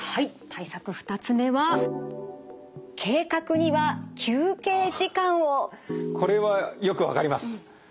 対策２つ目はこれはよく分かります。